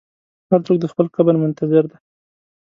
هر څوک د خپل قبر منتظر دی.